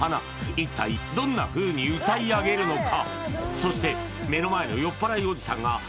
一体どんなふうに歌い上げるのか？